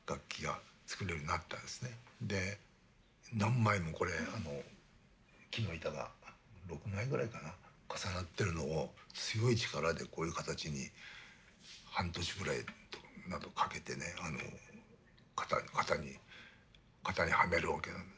で何枚もこれ木の板が６枚ぐらいかな重なってるのを強い力でこういう形に半年ぐらいなどかけてね型に型にはめるわけなんです。